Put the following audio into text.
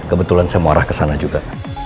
kebetulan saya mau arah ke sana juga